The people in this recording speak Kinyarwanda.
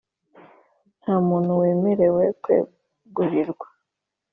Nta muntu wemerewe kwegurirwa